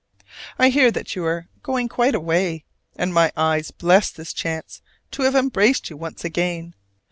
I hear that you are going quite away; and my eyes bless this chance to have embraced you once again.